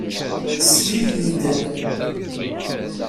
Sel-iyi-d!